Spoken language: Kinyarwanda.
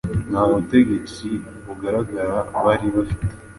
Nta butegetsi bugaragara bari bafite: